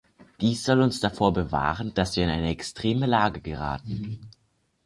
Dies soll uns davor bewahren, dass wir in eine extreme Lage geraten.